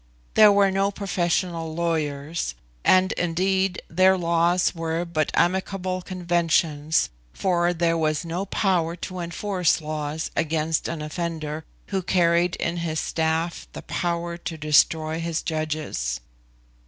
There were no professional lawyers; and indeed their laws were but amicable conventions, for there was no power to enforce laws against an offender who carried in his staff the power to destroy his judges.